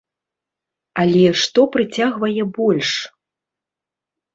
Але што прыцягвае больш?